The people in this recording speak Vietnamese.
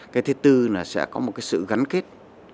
cái thứ tư là sẽ có một cái sự gắn kết